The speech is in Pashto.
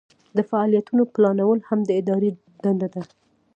د فعالیتونو پلانول هم د ادارې دنده ده.